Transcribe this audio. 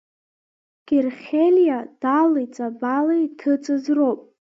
Герхелиаа Дали Ҵабали иҭыҵыз роуп.